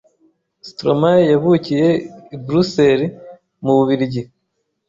Stromae yavukiye i Bruxelles mu Bubiligi